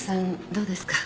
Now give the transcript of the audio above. どうですか？